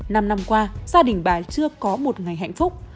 năm năm qua gia đình bà chưa có một ngày hạnh phúc